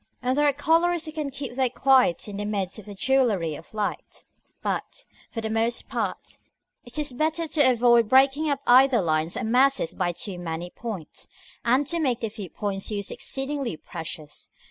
And there are colorists who can keep their quiet in the midst of a jewellery of light; but, for the most part, it is better to avoid breaking up either lines or masses by too many points, and to make the few points used exceedingly precious.